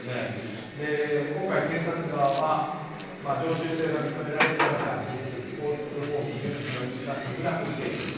今回、検察側は常習性が認められ極めて悪質交通法規順守の意思が欠落している。